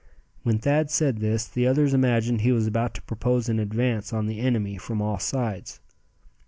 When Thad said this, the others imagined he was about to propose an advance on the enemy from all sides.